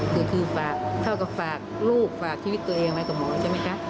คือฝากเท่ากับฝากลูกฝากชีวิตตัวเองไว้กับหมอใช่ไหมคะ